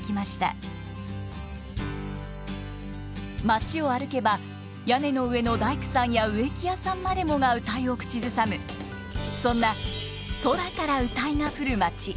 町を歩けば屋根の上の大工さんや植木屋さんまでもが謡を口ずさむそんな空から謡が降るまち。